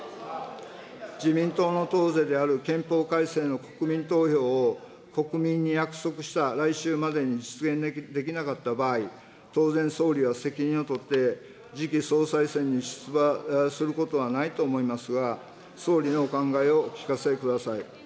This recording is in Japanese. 自民党の党是である憲法改正の国民投票を国民に約束した来秋までに実現できなかった場合、当然総理は責任を取って、次期総裁選に出馬することはないと思いますが、総理のお考えをお聞かせください。